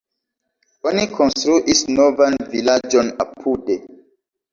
Oni konstruis novan vilaĝon apude.